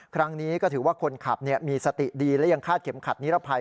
ครั้งนี้ก็ถือว่าคนขับมีสติดีและยังคาดเข็มขัดนิรภัย